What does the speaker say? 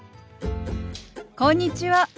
こんにちは。